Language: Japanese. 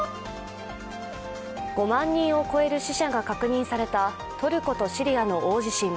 ５万人を超える死者が確認されたトルコとシリアの大地震。